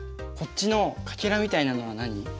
こっちのかけらみたいなのは何？